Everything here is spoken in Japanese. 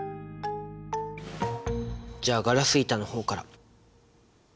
じゃあガラス板の方から。